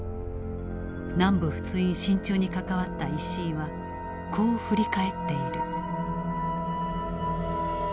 南部仏印進駐に関わった石井はこう振り返っている。